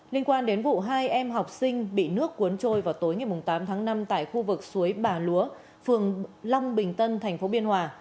liên quan đến vụ hai em học sinh bị nước cuốn trôi vào tối ngày tám tháng năm tại khu vực suối bà lúa phường long bình tân tp biên hòa